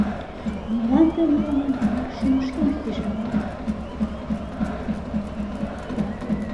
Молан тый мыланем тынар шӱмышкем пижынат?